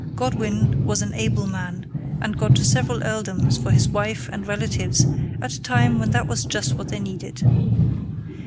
Godwin was an able man, and got several earldoms for his wife and relatives at a time when that was just what they needed.